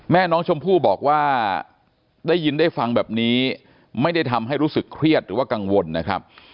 แม่น้องชมพู่บอกว่าได้ยินได้ฟังแบบนี้ไม่ได้ทำให้รู้สึกเครียดหรือว่ากังวลนะครับ